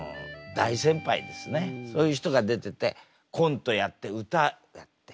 そういう人が出ててコントやって歌やって。